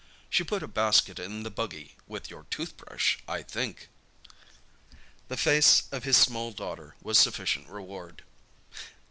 She put a basket in the buggy, with your tooth brush, I think." The face of his small daughter was sufficient reward.